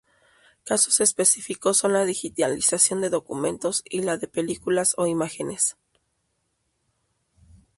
Casos específicos son la digitalización de documentos y la de películas o imágenes.